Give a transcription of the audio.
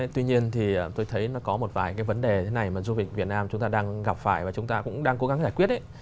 tuy nhiên thì tôi thấy nó có một vài cái vấn đề thế này mà du lịch việt nam chúng ta đang gặp phải và chúng ta cũng đang cố gắng giải quyết